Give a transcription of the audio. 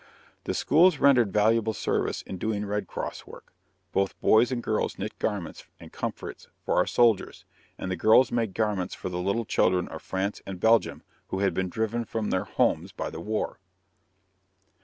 The schools rendered valuable service in doing Red Cross work. Both boys and girls knit garments and comforts for our soldiers, and the girls made garments for the little children of France and Belgium who had been driven from their homes by the war.